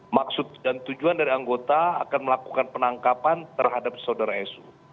maksud dan tujuan dari anggota akan melakukan penangkapan terhadap saudara su